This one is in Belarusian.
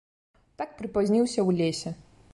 Так прыпазніўся ў лесе.